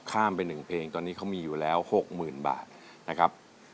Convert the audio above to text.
ข้ามไป๑เพลงตอนนี้เขามีอยู่แล้ว๖๐๐๐บาทนะครับ